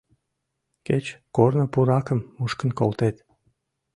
Кеч корно пуракым мушкын колтет.